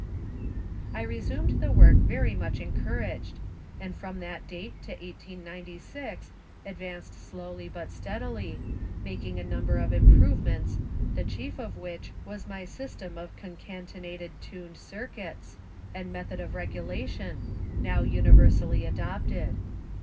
I resumed the work very much encour aged and from that date to 1896 advanced slowly but steadily, making a number of improvements the chief of which was my system of concatenated tuned circuits and method of regulation, now universally adopted.